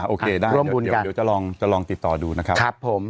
โอเคได้เราจะลองติดต่อดูนะครับ